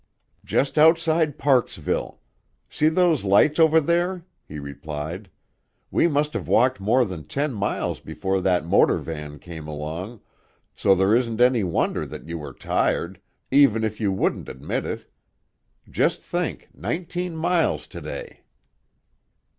"Just outside Parksville; see those lights over there?" he replied. "We must have walked more than ten miles before that motor van came along, so it isn't any wonder that you were tired, even if you wouldn't admit it. Just think, nineteen miles to day!"